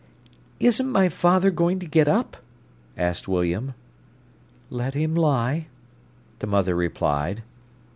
"Isn't my father going to get up?" asked William. "Let him lie," the mother replied.